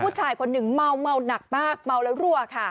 ผู้ชายคนหนึ่งเมาหนักมากเมาแล้วรั่วค่ะ